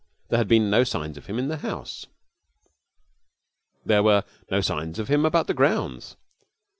There had been no signs of him in the house. There were no signs of him about the grounds.